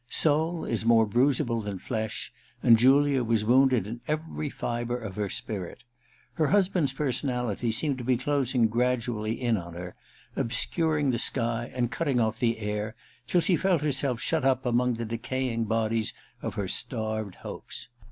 Soul is more bruisable than flesh, and Julia was wounded in every fibre of her spirit. Her husband's personality seemed to be closing gradually in on her, obscuring the II THE RECKONING 211 sky and cutting ofF the air, till she felt herself shut up among the decaying bodies of her starved hopes.